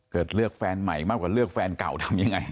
เกิดเลือกแฟนใหม่มากกว่าเลือกแฟนเก่าทำยังไง